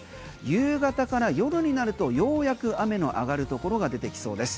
夕方から夜になるとようやく雨の上がるところが出てきそうです。